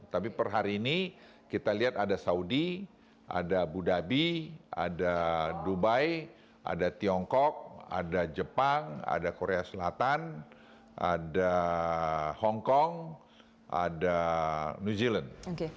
tapi per hari ini kita lihat ada saudi ada abu dhabi ada dubai ada tiongkok ada jepang ada korea selatan ada hongkong ada new zealand